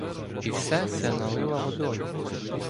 І все се налила водою